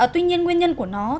tuy nhiên nguyên nhân của nó